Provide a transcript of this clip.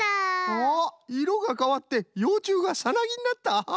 あっいろがかわってようちゅうがサナギになった。